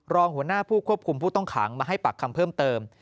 รองหัวหน้าผู้ควบคุมผู้ต้องขังมาให้ปากคำเพิ่มเติม